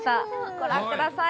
ご覧ください。